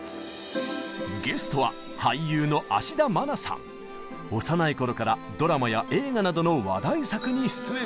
ゲストは幼い頃からドラマや映画などの話題作に出演。